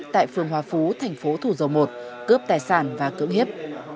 tại phường hòa phú thành phố thủ dầu một cướp tài sản và cưỡng hiếp